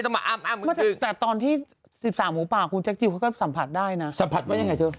แต่ตอนที่๑๓หมูป่าคุณแจ็คจิลเขาก็สัมผัสได้นะสัมผัสว่ายังไงเธอ